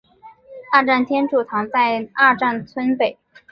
二站天主堂在二站村北。